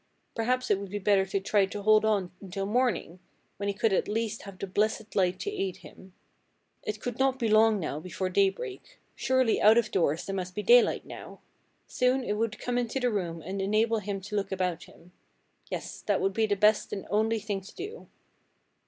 Perhaps it would be better to try to hold on until morning, when he could at least have the blessed light to aid him. It could not be long now before daybreak. Surely out of doors there must be daylight now. Soon it would come into the room and enable him to look about him. Yes, that would be the best and only thing to do.